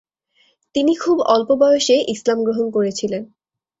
তিনি খুব অল্প বয়সে ইসলাম গ্রহণ করেছিলেন।